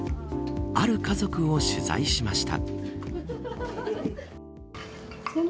ある家族を取材しました。